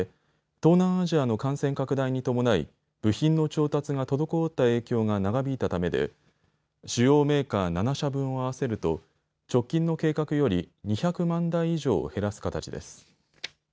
東南アジアの感染拡大に伴い部品の調達が滞った影響が長引いたためで主要メーカー７社分を合わせると直近の計画より２００万台以上を減らす形です。